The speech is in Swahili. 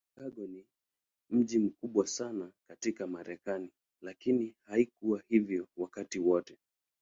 Mji wa Chicago ni mji mkubwa sana katika Marekani, lakini haikuwa hivyo wakati wote.